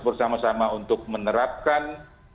bersama sama untuk menerapkan